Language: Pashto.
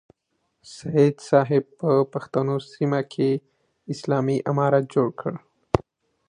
سید صاحب په پښتنو سیمه کې اسلامي امارت جوړ کړ.